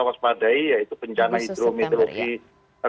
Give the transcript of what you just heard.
waspadai yaitu bencana hidrometeorologi